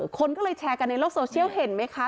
คนก็เลยแชร์กันในโลกโซเชียลเห็นไหมคะ